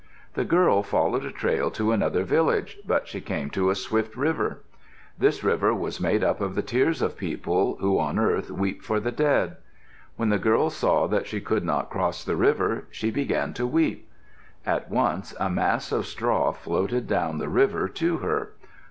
The girl followed a trail to another village, but she came to a swift river. This river was made up of the tears of people who on earth weep for the dead. When the girl saw she could not cross the river, she began to weep. At once a mass of straw floated down the river to her.